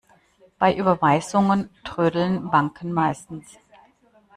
Bei Überweisungen trödeln Banken meistens.